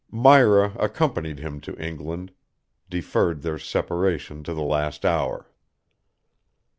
Myra accompanied him to England, deferred their separation to the last hour.